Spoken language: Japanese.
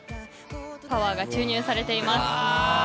パワーが注入されています。